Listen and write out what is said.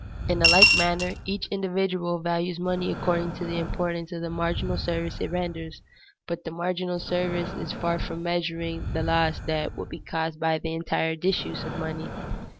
In a like manner, each individual values money according to the importance of the marginal service it renders, but the marginal service is far from measuring the loss that would be caused by the entire disuse of money.